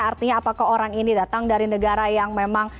artinya apakah orang ini datang dari negara yang memang